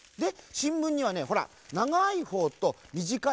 しんぶんにはねほらながいほうとみじかいほうがあるでしょ？